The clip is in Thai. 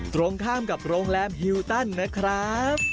ตรงข้ามกับโรงแรมฮิวตันนะครับ